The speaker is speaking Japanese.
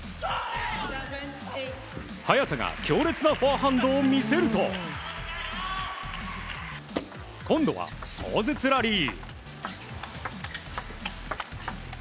早田が強烈なフォアハンドを見せると今度は壮絶ラリー。